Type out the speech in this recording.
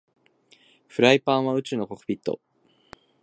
フライパンは宇宙のコックピット